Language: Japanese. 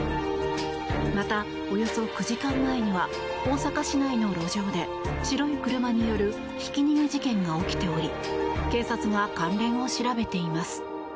また、およそ９時間前には大阪市内の路上で白い車によるひき逃げ事件が起きており警察が関連を調べています。